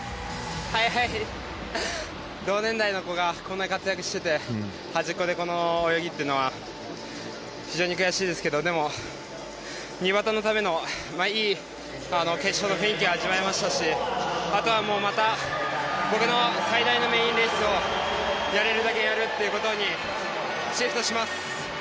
同年代の子がこんなに活躍していてて端っこで、この泳ぎというのは非常に悔しいですけどでも、２バタのためのいい決勝の雰囲気が味わえましたしあとは、僕の最大のメインレースをやれるだけやるということにシフトします。